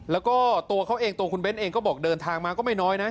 แล้วก็ตัวเขาเองตัวคุณเบ้นเองก็บอกเดินทางมาก็ไม่น้อยนะ